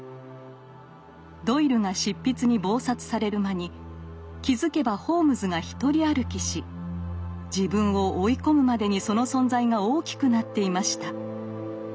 ドイルが執筆に忙殺される間に気付けばホームズが独り歩きし自分を追い込むまでにその存在が大きくなっていました。